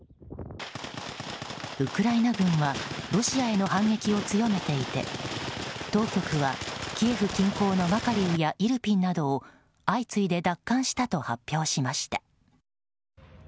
ウクライナ軍はロシアへの反撃を強めていて当局はキエフ近郊のマカリフやイルピンなどを相次いで奪還したと発表しました。